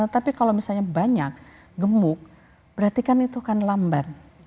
tetapi kalau misalnya banyak gemuk berarti kan itu kan lambat